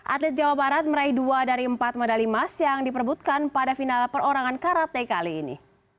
atlet jawa barat meraih dua dari empat medali emas yang diperbutkan pada final perorangan karate kali ini